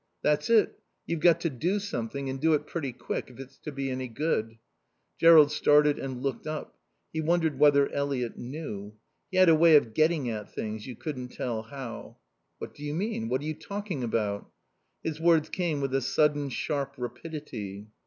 "That's it. You've got to do something and do it pretty quick if it's to be any good." Jerrold started and looked up. He wondered whether Eliot knew. He had a way of getting at things, you couldn't tell how. "What d'you mean? What are you talking about?" His words came with a sudden sharp rapidity.